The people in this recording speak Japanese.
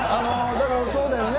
だから、そうだよね。